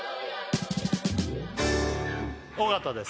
尾形です